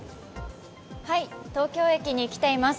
東京駅に来ています。